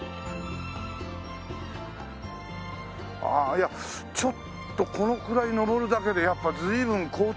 いやちょっとこのくらい上るだけでやっぱ随分高低差があるね。